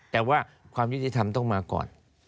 แต่ว่าความยุติธรรมต้องมาก่อน